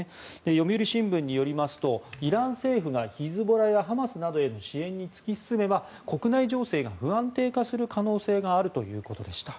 読売新聞によりますとイラン政府がヒズボラやハマスなどへの支援に突き進めば国内情勢が不安定化する可能性があるということでした。